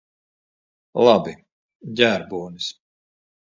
Labi. Ģērbonis.